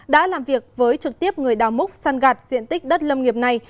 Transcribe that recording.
đã làm việc với trực tiếp người đào múc săn gạt diện tích đất lâm nghiệp này